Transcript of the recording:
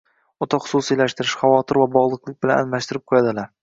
o‘ta xususiylashtirish, xavotir va bog‘liqlik bilan almashtirib qo‘yadilar.